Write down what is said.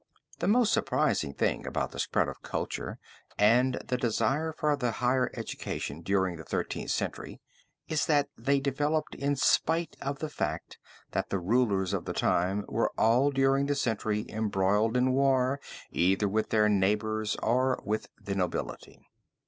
The most surprising thing about the spread of culture and the desire for the higher education during the Thirteenth Century, is that they developed in spite of the fact that the rulers of the time were all during the century, embroiled in war either with their neighbors or with the nobility.